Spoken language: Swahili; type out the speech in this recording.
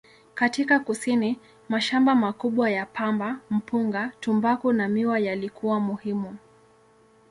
Katika kusini, mashamba makubwa ya pamba, mpunga, tumbaku na miwa yalikuwa muhimu.